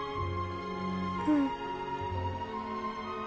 うん。